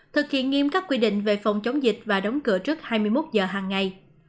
thực hiện nghiêm các quy định về phòng chống dịch và đóng cửa trước hai mươi một giờ hàng ngày